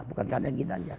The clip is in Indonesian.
bukan hanya ginanjar